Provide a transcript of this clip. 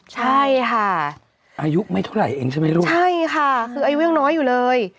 ใช่ค่ะอายุไม่เท่าไหร่เองใช่ไหมลูกใช่ค่ะคืออายุยังน้อยอยู่เลย